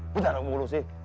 biar aku ngurus sih